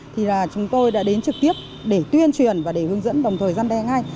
thì là chúng tôi đã đến trực tiếp để tuyên truyền và để hướng dẫn đồng thời gian đe ngay